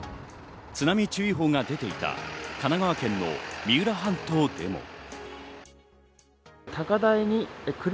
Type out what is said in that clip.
津波注意報が出ていた神奈川県の三浦半島でも。